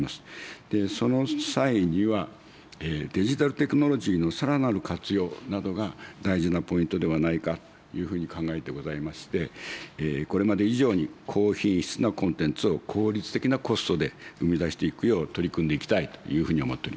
その際には、デジタルテクノロジーのさらなる活用などが大事なポイントではないかというふうに考えてございまして、これまで以上に高品質なコンテンツを効率的なコストで生み出していくよう取り組んでいきたいというふうに思っております。